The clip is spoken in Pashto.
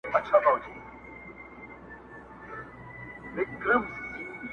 مستغني هم له پاچا هم له وزیر یم-